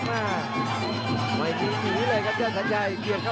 กระโดยสิ้งเล็กนี่ออกกันขาสันเหมือนกันครับ